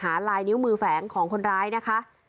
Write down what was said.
ลายนิ้วมือแฝงของคนร้ายนะคะ